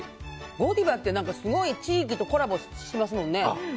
ゴディバってすごい地域とコラボしますもんね。